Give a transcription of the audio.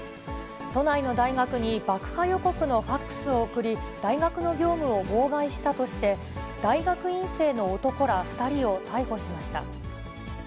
都内の大学に爆破予告のファックスを送り、大学の業務を妨害したとして、大学院生の男ら２人を逮捕しました。